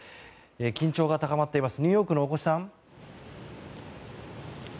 緊張が高まっていますニューヨークの大越さん。